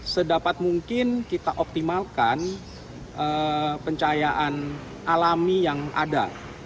sedapat mungkin kita optimalkan pencahayaan alami yang ada